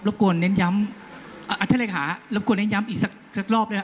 รบกวนเน้นย้ำอ่าท่านรายค้ารบกวนเน้นย้ำอีกสักสักรอบเลย